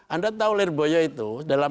anda tahu lirboyo itu